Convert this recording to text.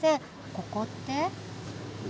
ここって。